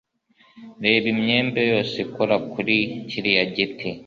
Reba imyembe yose ikura kuri kiriya giti.